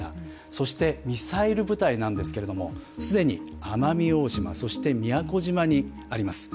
そしてミサイル部隊なんですけれども既に奄美大島、そして宮古島にあります。